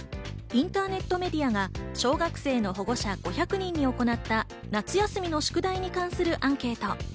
インターネットメディアが小学生の保護者５００人に行った夏休みの宿題に関するアンケート。